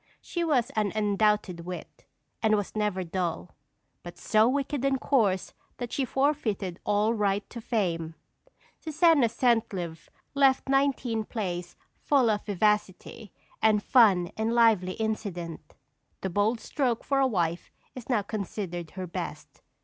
She was an undoubted wit, and was never dull, but so wicked and coarse that she forfeited all right to fame. Susanna Centlivre left nineteen plays full of vivacity and fun and lively incident. The Bold Stroke for a Wife is now considered her best.